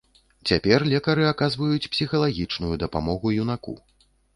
Цяпер лекары аказваюць псіхалагічную дапамогу юнаку.